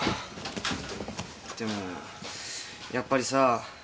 でもやっぱりさ